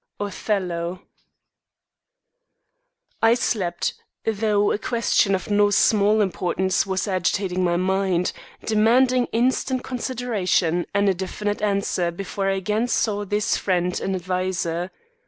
Othello I slept, though a question of no small importance was agitating my mind, demanding instant consideration and a definite answer before I again saw this friend and adviser.